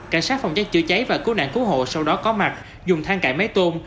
cảnh sát phòng cháy chữa cháy và cứu nạn cứu hộ sau đó có mặt dùng thang cải máy tôm